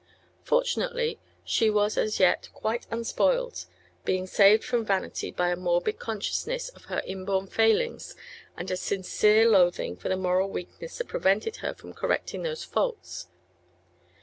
Fortunately she was as yet quite unspoiled, being saved from vanity by a morbid consciousness of her inborn failings and a sincere loathing for the moral weakness that prevented her from correcting those faults.